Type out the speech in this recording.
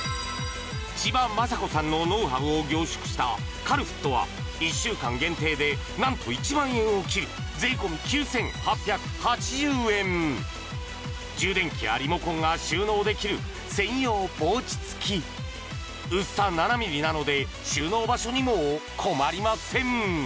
千葉真子さんのノウハウを凝縮したカルフットは１週間限定で何と１万円を切る税込９８８０円充電器やリモコンが収納できる専用ポーチ付き薄さ７ｍｍなので収納場所にも困りません